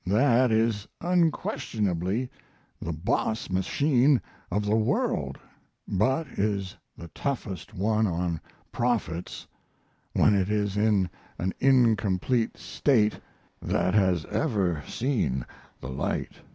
That is unquestionably the boss machine of the world, but is the toughest one on prophets when it is in an incomplete state that has ever seen the light.